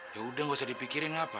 yaudah gak usah dipikirin apa